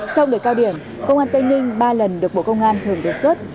trong đợt cao điểm công an tây ninh ba lần được bộ công an thường đề xuất